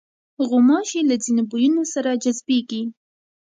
غوماشې له ځینو بویونو سره جذبېږي.